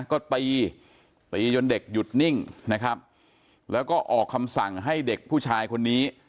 ก็ตีตีจนเด็กหยุดนิ่งนะครับแล้วก็ออกคำสั่งให้เด็กผู้ชายคนนี้